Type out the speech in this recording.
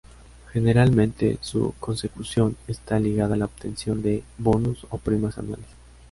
Generalmente, su consecución está ligada a la obtención de bonus o primas anuales.